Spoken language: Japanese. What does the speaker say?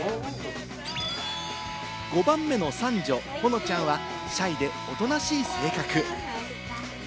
５番目の三女・ほのちゃんはシャイでおとなしい性格。